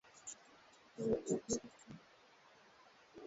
Elimu kwa umma hudhibiti ungojwa wa ndorobo